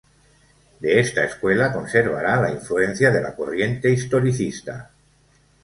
De esta escuela conservará la influencia de la corriente historicista.